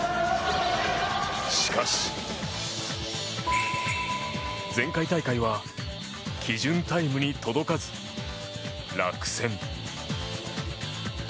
しかし前回大会は基準タイムに届かず、落選。